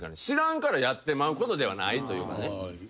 知らんからやってまうことではないというかね。